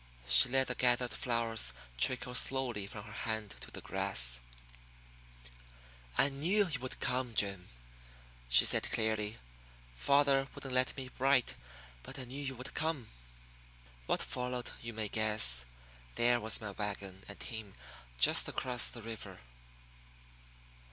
She let the gathered flowers trickle slowly from her hand to the grass. "I knew you would come, Jim," she said clearly. "Father wouldn't let me write, but I knew you would come." What followed you may guess there was my wagon and team just across the river.